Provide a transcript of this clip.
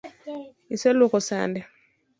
Iseluoko sande?